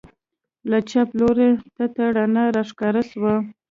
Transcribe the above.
له چپ لوري تته رڼا راښکاره سوه.